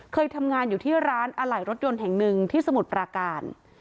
เคยทำงานอยู่ที่ร้านอะไหล่รถยนต์แห่งหนึ่งที่สมุทรปราการ